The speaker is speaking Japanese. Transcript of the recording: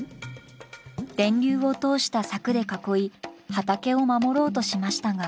電流を通した柵で囲い畑を守ろうとしましたが。